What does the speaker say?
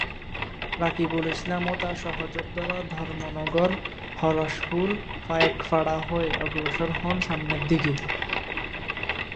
রফিকুল ইসলাম ও তার সহযোদ্ধারা ধর্মনগর-হরষপুর-পাইকপাড়া হয়ে অগ্রসর হন সামনের দিকে।